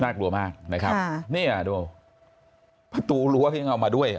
น่ากลัวมากนะครับค่ะเนี้ยดูประตูหลัวเพียงเอามาด้วยอ่ะ